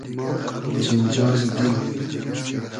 جینجالی دیل